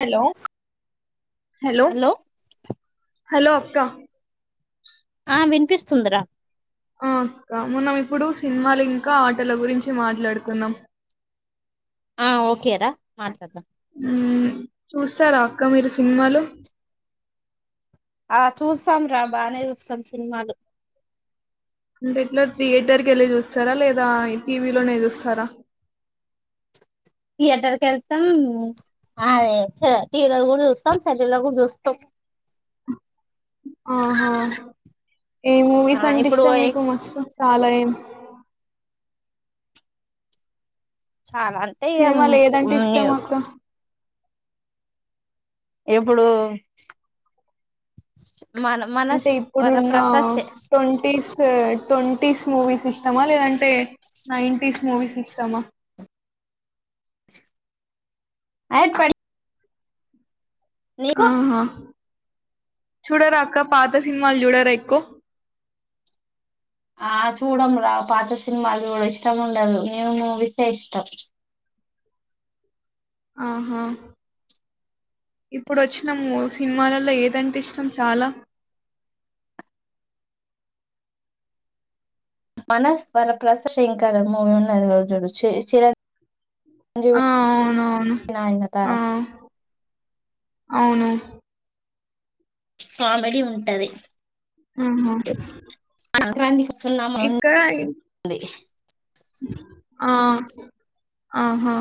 Hello hello hello అక్క ఆ వినిపిస్తుందిరా ఆ అక్క మనం ఇప్పుడు సినిమాలు ఇంకా ఆటలు గురించి మాట్లాడుకుందాం ఆ ఓకే రా మాట్లాడతా ఉమ్ చూస్తారా అక్క మీరు సినిమాలు ఆ చూస్తాం రా బానే చూస్తాం సినిమాలు అంటే ఇట్లా థియేటర్ కేళ్ళి చూస్తారా లేదా టీవీలోనే చూస్తారా థియేటర్కి వెళ్తాం అదే టీవీలో కూడా చూస్తాం సెల్లులలో కూడా చూస్తాం ఆహా ఏ మూవీస్ ఆ అంటె ఇప్పుడు ఇష్టం మీకు మస్తు చాలా ఏం చాలా అంటే ఇగ సినిమాలు ఏదంటే ఇష్టం మ్యూ అక్క ఎప్పుడు అంటే ఇప్పుడున్న ట్వంటీస్ ట్వంటీస్ మూవీస్ ఇష్టమా లేదంటే నైన్టీస్ మూవీస్ ఇష్టమా అయి ట్వం ఆహా చుడ రా అక్క పాత సినిమాలు చూడరా ఎకో ఆ చూడం రా పాత సినిమాలు చూడా ఇష్టం ఉండదు న్యూ మూవీసే ఇష్టం ఆహా ఇప్పుడు వచ్చినము సినిమాలలో ఏదంటే ఇష్టం చాలా మన వర ప్రసా శంకర మూవీ ఉన్నది చూడు చిర ఆ అవునవును నాయనతార ఆ అవును కామెడీ ఉంటది ఆహ సంక్రాంతికి సున్నామా ఉంది ఆ ఆహా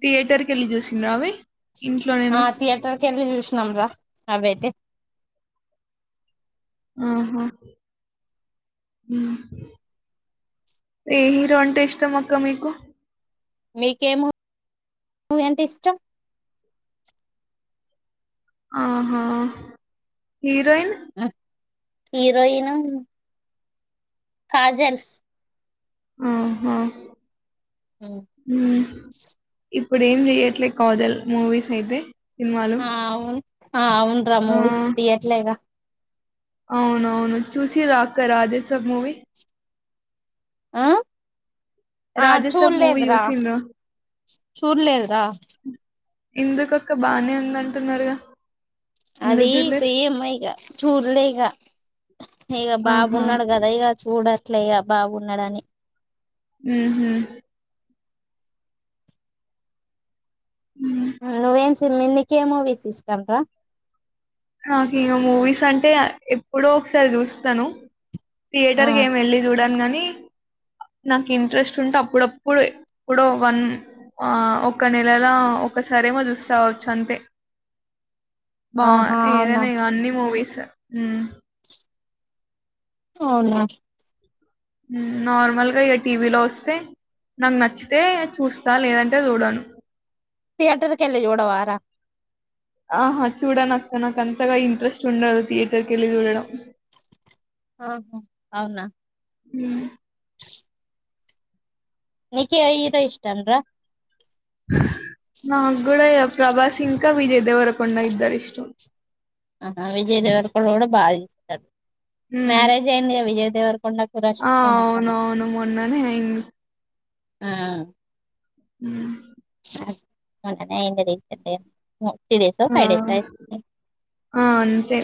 థియేటర్ కేళ్ళి చూసింరా అవి ఇంట్లోనేనా నమరా అవియితే ఆహా ఏ హీరో అంటే ఇష్టం అక్క మీకు నీకే మూవీ అంటే ఇష్టం ఆహా హీరోయిన్ హీరోయిన్ కాజల్ ఆహా ఇప్పుడు ఏం చెయట్లే కాజల్ మూవీస్ అయితే సినిమాలు. ఆ అవును అవును రా ఆ! మూవీస్ తీయట్లేగా అవునవును చూసిరా అక్క రాజసబ్ మూవీ ఆ ఆ రాజసాబ్ మూవీ చూడలేదు రా చూసిండ్రా? చూడలేదురా ఇందుకక్క బానే ఉంద అంటున్నారుగా అది ఇక ఏమైక చూడలేక ఇక ఆహా! బాబున్నాడు కదా ఇక చూడట్లే ఇక బాబున్నాడుని మ్మ్ మ్మ్ హ్మ్. నువ్వేం మీ నీకే మూవీస్ ఇష్టంరా హక ఇకా మూవీస్ అంటే ఎప్పుడో ఒకసారి చూస్తాను ఆ థియేటర్ క ఏమి వెళ్ళి చూడాను గాని నాకు ఇంట్రెస్ట్ ఉంటే అప్పుడప్పుడు ఇప్పుడ వన్ ఆ ఒక నెలలా ఒకసారి ఒకసారైమో చూస్తా అంతే బా ఆహా అవునా ఏదైనా ఇ అన్ని మూవీస్ అవునా నార్మల్గా ఇక టీవీలో వస్తే నాకు నచ్చితే చూస్తా లేదంటే చూడాను థియటర్ కీ ఎలి జోడవార ఆహా చూడను అక్క నాక అంతగా ఇంట్రెస్ట్ ఉండదు థియేటర్కి వెళ్ళి చూడడం ఆహా అవునా హ నికీ ఏ హీరో ఇష్టం రా నాకు కూడా ప్రభాస్ ఇంకా విజయ్దేవరకొండ ఇద్దరు ఇష్టం ఆహా విజయ్ దేవర్కుడు కూడా బాధస్తాడు ఉమ్ మ్యారేజ్ అయిందిగా విజయ్ దేవర్కు ఆ అవును అవును మొన్ననే అయి ఆ హ ఉ అయింది రీసెంట్ త్రీ డేస్ ఆ ఫైవ్ డేస్ ఆ అంతే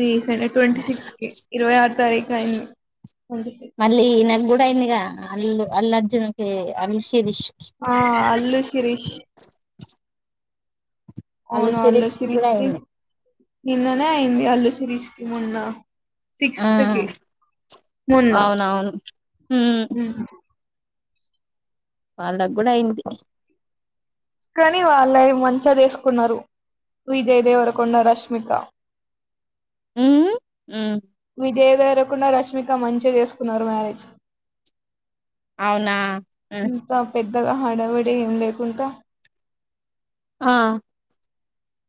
రీసెంట్ ట్వంటీ సిక్స్ కి ఇరవై ఆరు తారకా ఇ మళ్ళీ ఈనకు కూడా అయిందిగా అల్లు అల్లర్జున్కి అల్ శరిష్ ఆ అల్లు శిరీష్ అవును అల్లు శిరీష్ కి శిరీష కూడా కీ అయింది నిన్ననే అయింది అల్లు శిరీష కీ మొన్న ఆ సిక్స్త్ కీ మొన్న అవునవును ఉమ్ వాళ్ళకు కూడా అయింది కానీ వాళ్ళవి మంచిగా చేేసుకున్నారు విజయ్ దేవరకొండ రష్మిక మ్ఉమ్ మ్ విజయ్ దేవరకొండ రష్మిక మంచిగా చేసుకున్నారు మ్యారేజ్ అవునా మ్ అంతగా హడబడి ఏం లేకుంటా? ఆ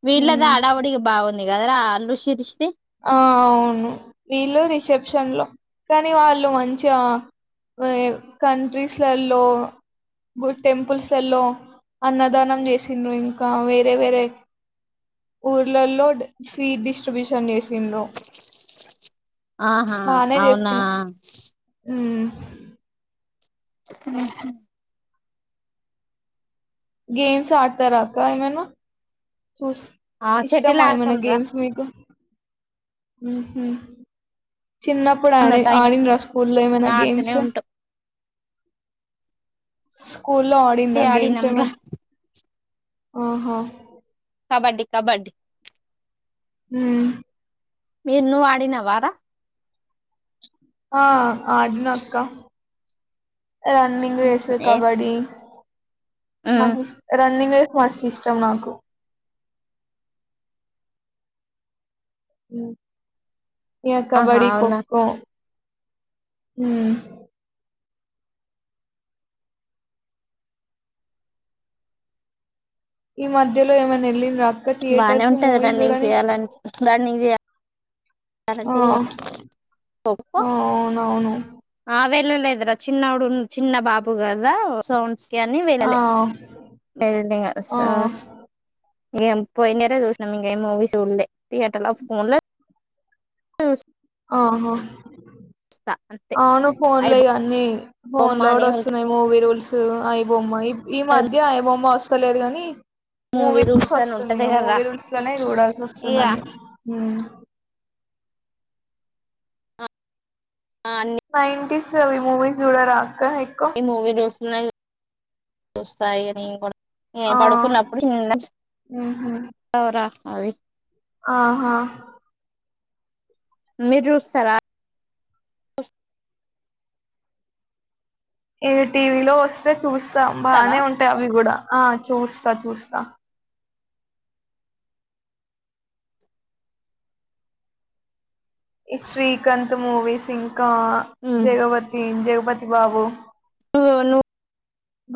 వీళ్ళదె ఉమ్, అడావుడిగా బాగుంది కదరా అల్లు షిరీష్ ది ఆ అవును వీళ్ళు రిసెప్షన్ లో కానీ వాళ్ళు మంచిగా [unintelligible] కంట్రీస్ లల్లో గు టెంపుల్స్ లల్లో అన్నదానం చేసిండ్రు ఇంకా వేరే వేరే ఊర్లలో డ్ స్వీట్ డిస్ట్రిబ్యూషన్ చేసిండ్రు ఆహా బానే అవునా చేసుకున్నా హ్మ్ మ్ హు గేమ్స్ ఆడతారక్క ఏమైనా? చూస్ ఆ షటిల్ ఇష్టమా ఏమైన ఆడతాం రా గేమ్స్ మీకు? మ్ హు చిన్నప్పుడు ఆడి అందట ఆడిండ్రా స్కూల్లో ఏమైనా ఆడుతూనే గేమ్స్? ఉంటాం స్కూల్లో ఆడిండ్రా గేమ్స్ ఆడినాం రా ఏమైనా? ఆహా! కబడ్డీ కబడ్డీ మ్ మీరు నువ్ ఆడినావారా? ఆ ఆడ్నఅక్క రన్నింగ్ రేస్ ఏ కబడ్డీ నాగుస్ రన్నింగ్ రేస్ మస్త్ ఇష్టం నాకు మ్ ఇక ఆహా కబడ్డీ ఖో అవునా ఖో మ్ ఈ మధ్యలో ఏమైనా ఎల్లిండ్రా? బానే ఉంటది రన్నింగ్ చేయాలంట్ రన్నింగ్ చేయా అది ఆ అంతే ఇగ ఆ [unintelligible] అవునవును ఆ వెళ్ళలేదురా చిన్నోడు చిన్న బాబు కదా సో అం స్కి అన్ని ఆ వెళ్ళలే లేదంటే ఇంగ ఆ సో ఇంగ పోయనియర్రే చూసినాం ఇంగ ఏం మూవీస్ చూడ్లే థియేటర్ ల ఫోన్ల స్ ఆహ అంతే అవును అయి ఫోన్లో ఇక అన్ని బొమ్మ ఫోన్లో అని కూడా వస్తున్నాయి మూవీ రూల్స్ ఐబొమ్మ ఈ ఉంటది మధ్య ఐబొమ్మ వస్తలేదు కాని మూవీ ప్స్ రూల్స్ అని వస్తుంది ఉంటది కదా మూవీ రూల్స్ లోనే చూడాల్సి వస్తుంది ఇగ అన్నీ అన్ని నైన్టీస్ అవి మూవీస్ చూడరా అక్క ఎక్కువ న్నాయి చూస్తా ఇక నేను కూడా నేను ఆ పడుకున్నప్పుడు చిన్నగా ఉహు [unintelligible] రా అవి ఆహా మీర్ చూస్తారా? ఈ టీవీలో వస్తే చూస్తాం స్తావా బానే ఉంటాయి అవి కూడా ఆ చూస్తా చూస్తా శ్రీకాంత్ మూవిస్ ఇంకా నువ్వు జగపతి జగపతి బాబు నువ్వు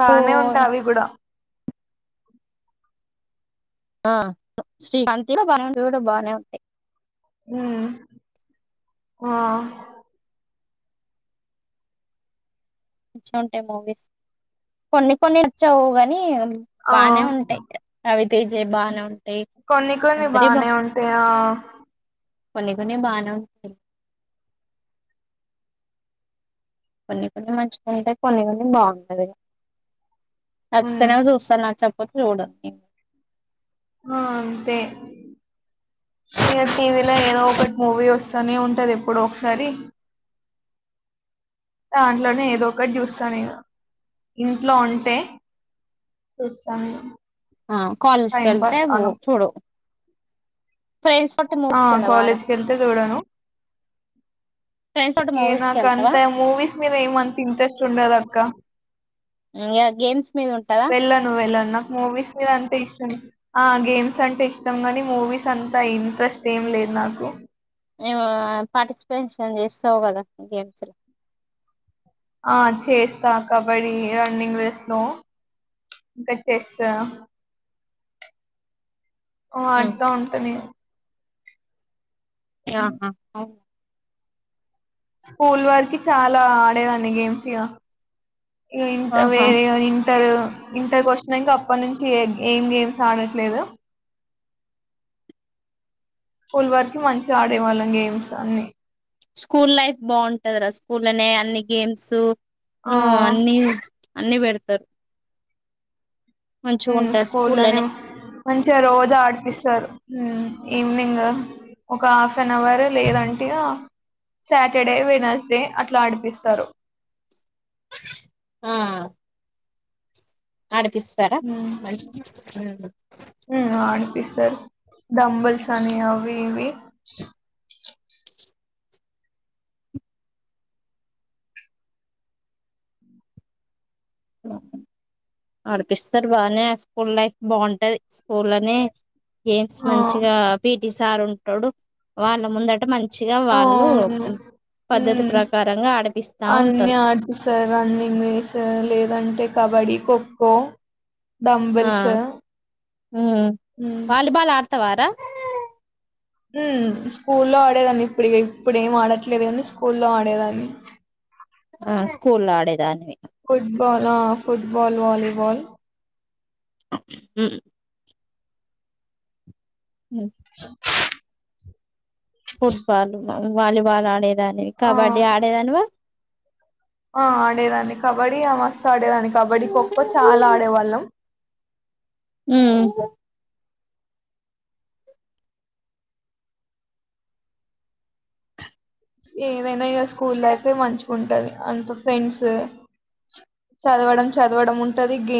బానే ఉంటా అవి గుడా ఆ శ్రీకాంత్ వి కూడా బానే ఉంటాయి మ్ ఆ మంచిగా ఉంటాయి మూవీస్ కొన్ని కొన్ని నచ్చవు గానీ ఆ బానే ఉంటాయ్ ఇ రవితేజయ బానే ఉంటా కొన్ని కొన్ని బానే ఉంటాయా కొన్ని కొన్ని బానే ఉం కొన్ని కొన్ని మంచిగా ఉంటాయి కొన్ని కొన్ని బాగుండాదు ఉమ్ నచ్చితనే చూస్తా నచ్చకాపోతే చూడ ఆ అంతే టీవీలో ఏదో ఒకటి మూవీ వస్తానే ఉంటది ఎప్పుడో ఒకసారి దాంట్లోనే ఏదో ఒకటి చూస్తాను నేను ఇంట్లో ఉంటే చూస్తాను ఆ కాలేజ్కి టైం వెళ్తే పాస్ కానప్పుడు చూడు ఫ్రెండ్స్ తోటి ఆ మూవీస్ కెళ్ళావారా కాలేజ్కి వెళ్తే చూడను ఏ నాక అంతా మూవీస్ మీద ఏమంత ఇంట్రెస్ట్ ఉండదక్క ఈ గేమ్స్ మీద ఉంటదా మూవీస్ మీద అంతా ఇష్టం ఆ గేమ్స్ అంటే ఇష్టం గానీ మూవీస్ అంతా ఇంట్రెస్ట్ ఏం లే నాకు మేము పార్టిసిపేషన్ చేస్తావు కదా గేమ్స్ లో ఆ చేస్తా కబడ్డీ రన్నింగ్ రేస్ లో ఇంకా చెస్ ఆ ఆ ఆడుతా ఉంటా నేను ఆహా స్కూల్ వారికి చాలా ఆడేదాన్ని గేమ్స్ ఇగా ఇ ఇంత ఆహా వేర్ ఇంటర్ ఇంటర్ వచ్చినాక ఇంక అప్పటి నుంచి ఏం గేమ్స్ ఆడట్లేదు స్కూల్ వరకి మంచిగా ఆడే వాళ్ళం గేమ్స్ అన్ని స్కూల్ లైఫ్ బాగుంటది రా స్కూల్లోనే అన్ని గేమ్స్ ఆ ను అన్ని అన్ని పెడతారు మంచిగా ఉంటది స్కూల్లనే స్కూల్లోనే మంచిగా రోజా ఆడిపిస్తారు ఈవనింగ్ ఒక హాఫ్ అన్ అవర్ లేదంటగా సాటర్డే వెనస్డే అట్లా అడిపిస్తారు ఆ ఆడిపిస్తారా మరి ఉ ఆడిపిస్తారు డంబుల్స్ అని అవి ఇవి ఆ అడిపిస్తారు బానే స్కూల్ లైఫ్ బాగుంటది స్కూల్లనే గేమ్స్ ఆ మంచిగా పిటి సార్ ఉంటాడు వాళ్ళ ముందట మంచి మంచిగా వాళ్ళు హ పద్ధతి ప్రకారంగా ఆడిపిస్తా అన్ని ఉంటారు ఆడిస్తారు రన్నింగ్ రేసు లేదంటే కబడ్డీ ఖో ఖో ఆ డంబుల్స్ ఉమ్ వాలీబాల్ ఆడతావారా స్కూల్లో ఆడేదాన్ని ఇప్పుడు ఇప్పుడు ఏం ఆడట్లేదు అని స్కూల్లో ఆడేదాన్ని [inaudible] ఆ స్కూల్లో ఆడేదానివి ఫుట్బల్ ఫుట్బల్ వాలీబల్ ఉ ఉమ్. [inaudible] ఫుట్బాల్ వాలీబాల్ ఆడేదాన్నివి ఆ కబడ్డీ ఆడేదానివా ఆ ఆడేదాన్ని కబడ్డీ ఆ మస్తు ఆడేదాన్ని కబడ్డీ ఖోఖో చాలా ఆడేవాళ్ళం ఉమ్ ఏదైనా ఇగా స్కూల్ లైఫే మంచిగాగుంటది అంత ఫ్రెండ్స్ చదవడం చదవడం ఉంటది గేమ్స్